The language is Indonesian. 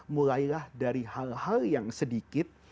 mulailah dari hal hal yang sedikit